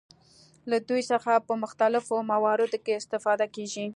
له دوی څخه په مختلفو مواردو کې استفاده کیږي.